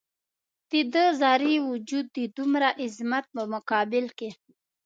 د ده ذرې وجود د دومره عظمت په مقابل کې.